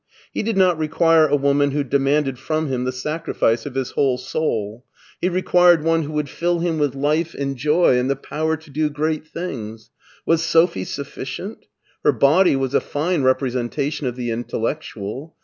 He did not require a woman who demanded from him the sacrifice of his whole soul : he required one who would fill liim with life and joy and the power to do great things. Was Sophie sufficient ? Her body was a fine representation of the intellectual.